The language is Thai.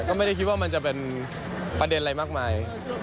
ก็ไม่ได้คิดว่ามันจะเป็นประเด็นอะไรมากมาย